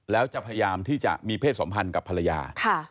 แล้วจะพยายามที่จะมีเพศสมพันธ์กับภรรยา